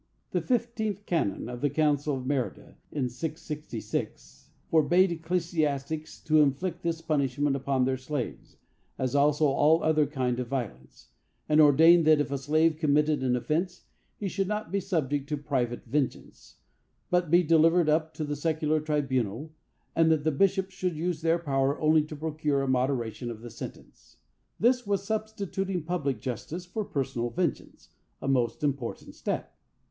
The fifteenth canon of the Council of Merida, in 666, forbade ecclesiastics to inflict this punishment upon their slaves, as also all other kind of violence, and ordained that if a slave committed an offence, he should not be subject to private vengeance, but be delivered up to the secular tribunal, and that the bishops should use their power only to procure a moderation of the sentence. This was substituting public justice for personal vengeance—a most important step.